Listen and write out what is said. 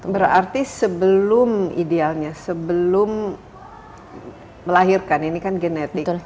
berarti sebelum idealnya sebelum melahirkan ini kan genetik